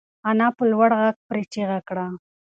انا په لوړ غږ پرې چیغه کړه.